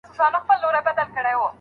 کلمو پېژندل د املا یو اساسي هدف دی.